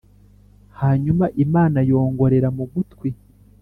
hanyuma imana yongorera mu gutwi